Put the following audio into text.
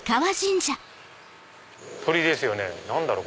鳥ですよね何だろう？